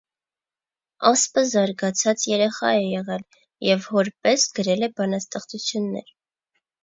Ասպը զարգացած երեխա է եղել և հոր պես գրել է բանաստեղծություններ։